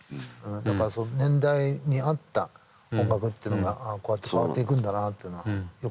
だから年代に合った音楽っていうのがこうやって変わっていくんだなあっていうのはよく感じますね最近。